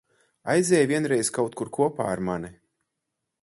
Aizej vienreiz kaut kur kopā ar mani.